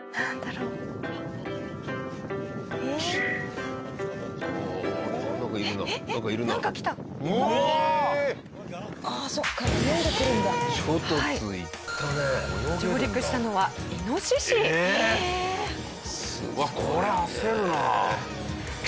うわっこれ焦るなあ。